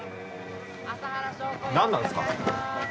何なんすか？